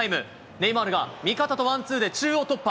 ネイマールが味方とワンツーで中央突破。